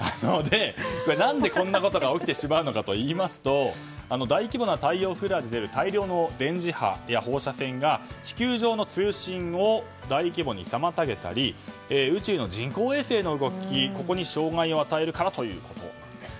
何でこんなことが起きてしまうかといいますと大規模な太陽フレアの出る電磁波や放射線が地球上の通信を大規模に妨げたり宇宙の人工衛星の動きに障害を与えるからということです。